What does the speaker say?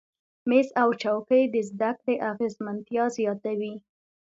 میز او چوکۍ د زده کړې اغیزمنتیا زیاتوي.